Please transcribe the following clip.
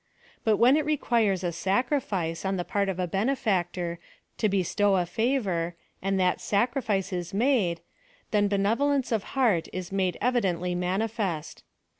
But when it requires a sacrifice, on the part of a benefactor, to bestow a favor, and that sacrifice is made, then be nevolence of heart is made evidently manifest.